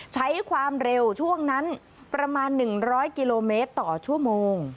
ใช้ความเร็วช่วงนั้นประมาณ๑๐๐กิโลเมตรต่อชั่วโมง